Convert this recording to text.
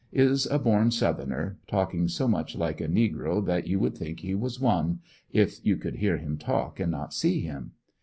Is a born Southerner, talking so much like a negro that you would thmk he was one, if you could hear him talk and not see him.